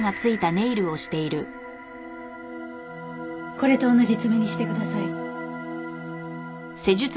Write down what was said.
これと同じ爪にしてください。